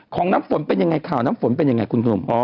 น้ำฝนเป็นยังไงข่าวน้ำฝนเป็นยังไงคุณหนุ่ม